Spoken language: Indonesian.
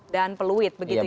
dan fluid begitu ya